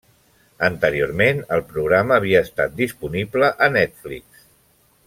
Anteriorment, el programa havia estat disponible a Netflix.